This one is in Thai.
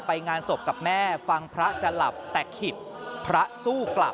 งานศพกับแม่ฟังพระจะหลับแต่ขิดพระสู้กลับ